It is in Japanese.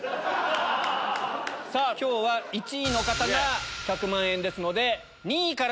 今日は１位の方が１００万円ですので。